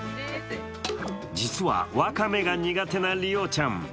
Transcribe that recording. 実はワカメが苦手な梨緒ちゃん。